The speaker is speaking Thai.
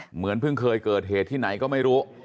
เหมือนเพิ่งเคยเกิดเหตุที่ไหนก็ไม่รู้